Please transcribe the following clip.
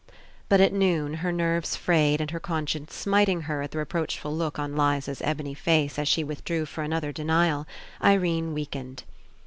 But at noon, her nerves frayed and her conscience smiting her at the reproachful look on Liza's ebony face as she withdrew for an other denial, Irene weakened.